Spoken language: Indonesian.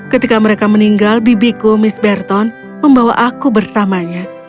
ketika mereka meninggal bibiku miss burton membawa aku bersamanya